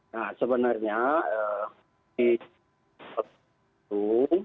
nah sebenarnya ini seperti itu